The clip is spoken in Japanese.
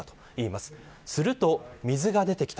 すると、水が出てきた。